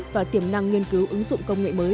và tiềm năng nghiên cứu ứng dụng công nghệ mới